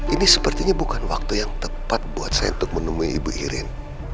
ini sepertinya bukan waktu yang tepat buat saya untuk menemui ibu irin